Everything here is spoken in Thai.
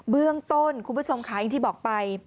เบื้องต้นคุณผู้ชมค่ะอย่างที่บอกไป